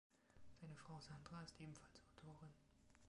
Seine Frau Sandra ist ebenfalls Autorin.